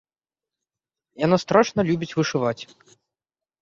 Яна страшна любіць вышываць.